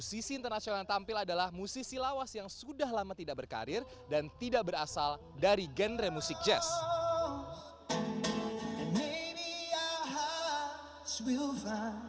musisi internasional yang tampil adalah musisi lawas yang sudah lama tidak berkarir dan tidak berasal dari genre musik jazz